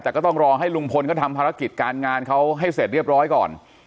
แต่ก็ต้องรอให้ลุงพลเขาทำภารกิจการงานเขาให้เสร็จเรียบร้อยก่อน